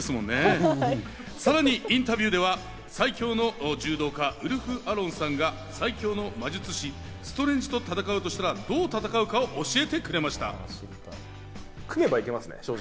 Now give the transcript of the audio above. さらにインタビューでは最強の柔道家、ウルフ・アロンさんが最強の魔術師、ストレンジと戦おうとしたらどう戦うかを教えてくれました。